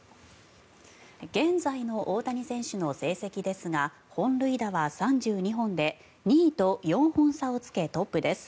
現在の大谷選手の成績ですが本塁打は３２本で２位と４本差をつけトップです。